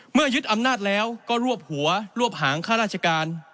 ยึดอำนาจแล้วก็รวบหัวรวบหางค่าราชการ